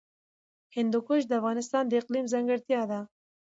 هندوکش د افغانستان د اقلیم ځانګړتیا ده.